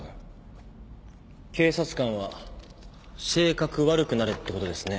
警察官は性格悪くなれってことですね。